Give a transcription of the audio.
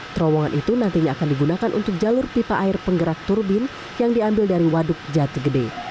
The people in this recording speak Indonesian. terowongan itu nantinya akan digunakan untuk jalur pipa air penggerak turbin yang diambil dari waduk jati gede